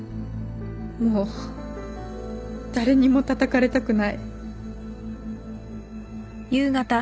もう誰にもたたかれたくない。